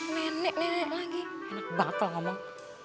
nenek nenek lagi enak banget kalau ngomong